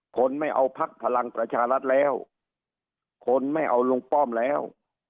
คนไม่เอาพักพลังประชารัฐแล้วคนไม่เอาลุงป้อมแล้ว